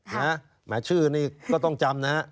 แหมชื่อนี่ก็ต้องจำนะฮะ